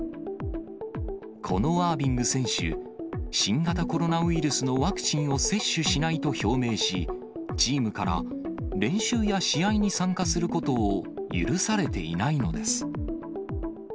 このアービング選手、新型コロナウイルスのワクチンを接種しないと表明し、チームから練習や試合に参加することを許されていないのです。